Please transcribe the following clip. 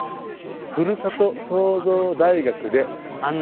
ふるさと創造大学で。